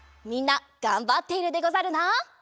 みんながんばっているでござるな。